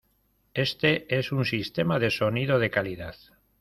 Éste es un sistema de sonido de calidad.